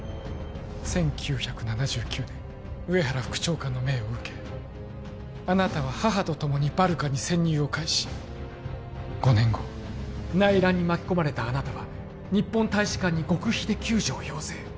１９７９年上原副長官の命を受けあなたは母とともにバルカに潜入を開始５年後内乱に巻き込まれたあなたは日本大使館に極秘で救助を要請